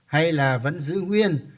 hay là vẫn giữ nguyên